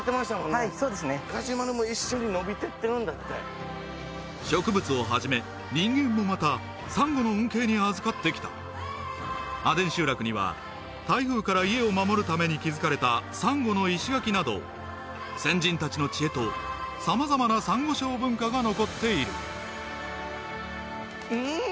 はいそうですねガジュマルも一緒に伸びてってる植物をはじめ人間もまたサンゴの恩恵に預かってきた阿伝集落には台風から家を守るために築かれたサンゴの石垣など先人達の知恵と様々なサンゴ礁文化が残っているうん？